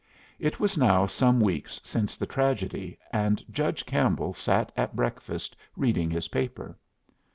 It was now some weeks since the tragedy, and Judge Campbell sat at breakfast reading his paper.